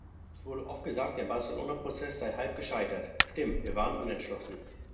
Es wurde oft gesagt, der Barcelona-Prozess sei halb gescheitertstimmt, wir waren unentschlossen.